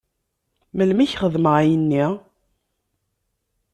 Melmi i k-xedmeɣ ayenni?